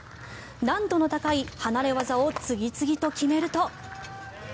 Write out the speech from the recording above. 難度の高い離れ技を次々と決めると。